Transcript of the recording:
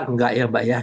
enggak ya mbak ya